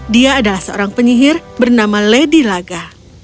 dia adalah seorang penyihir bernama lady laga